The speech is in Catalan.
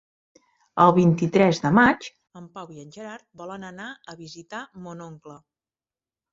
El vint-i-tres de maig en Pau i en Gerard volen anar a visitar mon oncle.